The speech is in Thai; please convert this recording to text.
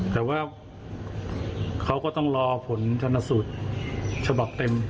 แต่ว่าเขาก็ต้องรอผลชนสูตรฉบับเต็ม